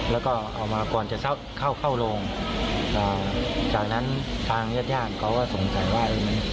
แล้วก็เอามาก่อนจะเข้าโรงอ่าจากนั้นทางยัดยาสเขาก็สมคัญว่า